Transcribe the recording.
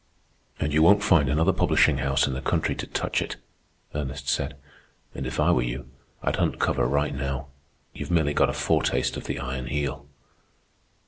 "And you won't find another publishing house in the country to touch it," Ernest said. "And if I were you, I'd hunt cover right now. You've merely got a foretaste of the Iron Heel."